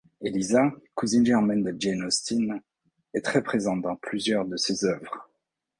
Eliza, cousine germaine de Jane Austen, est très présente dans plusieurs de ses œuvres.